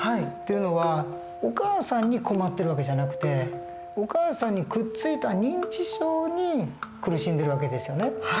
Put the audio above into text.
っていうのはお母さんに困ってる訳じゃなくてお母さんにくっついた認知症に苦しんでる訳ですよね。